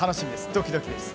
ドキドキです。